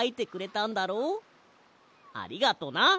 ありがとな。